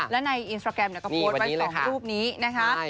และในอินสตราแกรมก็โพสต์ไว้๒รูปนี้นะคะ